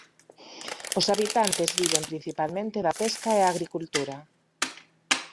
Os habitantes viven principalmente da pesca e a agricultura.